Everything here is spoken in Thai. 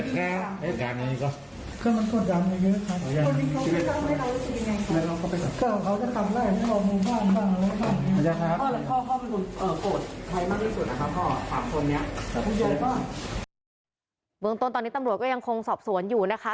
ทางคนเนี้ยพี่โยก้าเบื้องต้นตอนนี้ตำรวจก็ยังคงสอบสวนอยู่นะคะ